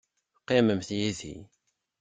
Qqimemt yid-i.